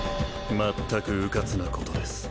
まったくうかつなことです